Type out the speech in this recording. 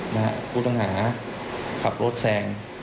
กลุ่มทางหาขับรถแซง